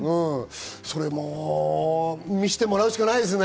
それはもう見せてもらうしかないですね。